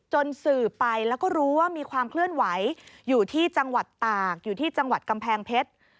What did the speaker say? สื่อไปแล้วก็รู้ว่ามีความเคลื่อนไหวอยู่ที่จังหวัดตากอยู่ที่จังหวัดกำแพงเพชร